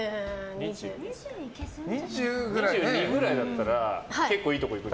２２くらいだったら結構いいとこいくよ。